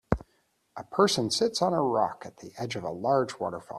A person sits on a rock at the edge of a large waterfall